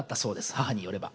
母によれば。